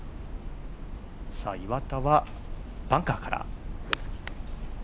岩田はバンカーから。